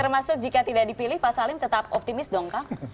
termasuk jika tidak dipilih pak salim tetap optimis dong kang